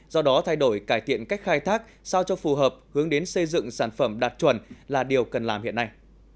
do đó thay đổi cải thiện cách khai thác sao cho phù hợp hướng đến xây dựng sản phẩm đạt chuẩn là điều cần làm hiện nay